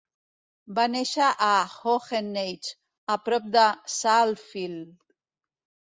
Va néixer a Hoheneiche, a prop de Saalfeld.